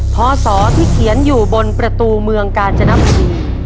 พศที่เขียนอยู่บนประตูเมืองกาญจนบุรี